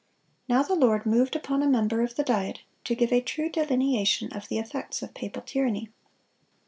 Now the Lord moved upon a member of the Diet to give a true delineation of the effects of papal tyranny.